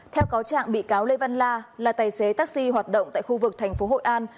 theo cáo trạng bị cáo lê văn la là tài xế taxi hoạt động tại khu vực thành phố hội an